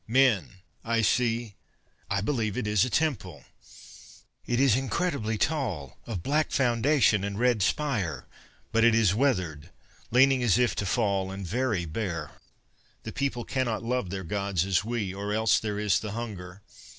"Men! I see ... I believe it is a temple! It is incredibly tall, of black foundation and red spire, but it is weathered, leaning as if to fall and very bare. The people cannot love their Gods as we or else there is the Hunger....